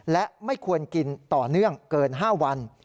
และไม่ควรกินต่อเนื่องเกิน๕วัน